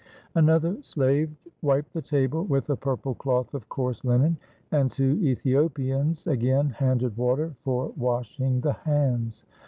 Another slave wiped the table with a purple cloth of coarse linen, and two Ethiopians again handed water for washing the hands.